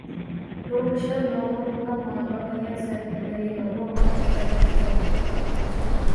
تۇرمۇشتا نۇرغۇنلىغان مۇۋەپپەقىيەت سەھنىلىرى، نۇرغۇنلىغان پۇرسەتلەر بىزنى كۈتۈپ تۇرۇپتۇ.